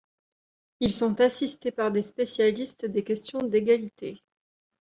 Ils sont assistés par des spécialistes des questions d’égalité.